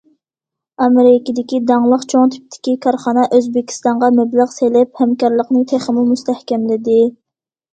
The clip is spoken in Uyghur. ئامېرىكىدىكى داڭلىق چوڭ تىپتىكى كارخانا ئۆزبېكىستانغا مەبلەغ سېلىپ، ھەمكارلىقنى تېخىمۇ مۇستەھكەملىدى.